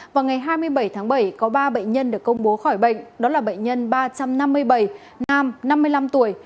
vào ngày hai mươi bảy tháng bảy có ba bệnh nhân được công bố khỏi bệnh đó là bệnh nhân ba trăm năm mươi bảy nam năm mươi năm tuổi